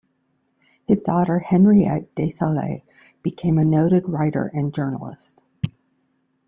His daughter Henriette Dessaulles became a noted writer and journalist.